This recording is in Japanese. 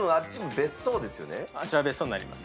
あちら別荘になりますね。